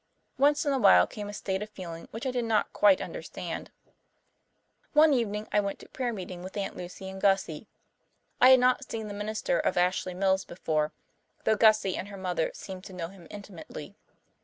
Once in a while came a state of feeling which I did not quite understand. One evening I went to prayer meeting with Aunt Lucy and Gussie. I had not seen the minister of Ashley Mills before, though Gussie and her mother seemed to know him intimately.